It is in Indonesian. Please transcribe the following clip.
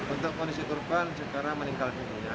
untuk kondisi korban sekarang meninggal dunia